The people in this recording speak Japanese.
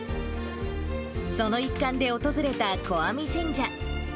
その一環で訪れた小網神社。